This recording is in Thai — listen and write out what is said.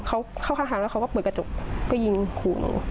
เข้าเข้าข้างค่ะพวกเขาก็เปิดกระจกก็ยิงหัวหนึ่ง